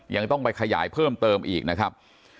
ยังต้องไปขยายเพิ่มเติมอีกนะครับ